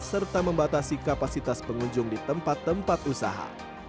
serta membatasi kapasitas pengunjung di tempat tempat usaha